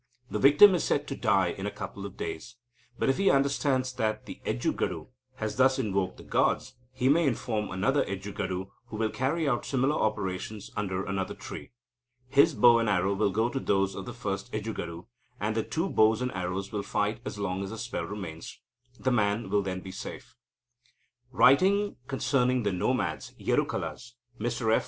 The victim is said to die in a couple of days. But, if he understands that the Ejjugadu has thus invoked the gods, he may inform another Ejjugadu, who will carry out similar operations under another tree. His bow and arrow will go to those of the first Ejjugadu, and the two bows and arrows will fight as long as the spell remains. The man will then be safe. Writing concerning the nomad Yerukalas, Mr F.